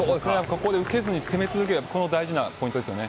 ここで受けずに攻め続ける大事なポイントです。